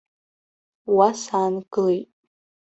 Уа саангылеит.